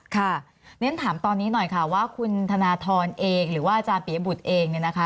เรียนถามตอนนี้หน่อยค่ะว่าคุณธนทรเองหรือว่าอาจารย์ปียบุตรเองเนี่ยนะคะ